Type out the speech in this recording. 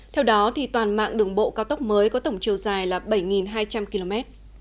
theo đó toàn mạng đường bộ cao tốc mới có tổng chiều dài là bảy hai trăm linh km